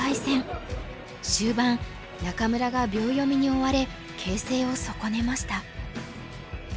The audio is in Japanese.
終盤仲邑が秒読みに追われ形勢を損ねました。